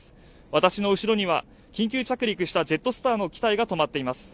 私の後ろには緊急着陸したジェットスターの機体が止まっています